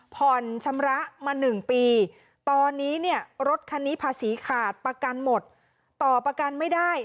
ผ่อนชำระมา๑ปีตอนนี้เนี่ยรถคันนี้ภาษีขาดประกันหมดต่อประกันไม่ได้